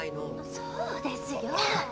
そうですよ。